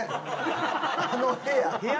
「あの部屋」。